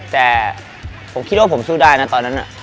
แต่ผมคิดว่าผมสู้ได้นะตอนนั้น